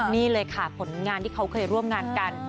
นี่เลยค่ะผลงานที่เขาเคยร่วมงานกัน